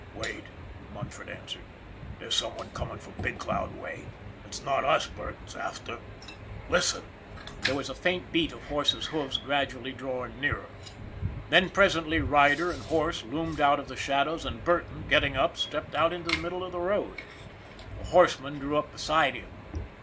" Wait," Munford answered. " There's someone comin' from Big Cloud way. It's not us Burton's after. Listen!" There was the faint beat of horse's hoofs gradually drawing nearer. Then presently rider and horse loomed out of the shadows and Burton, getting up, stepped out into the middle of the road. The horseman drew up beside him.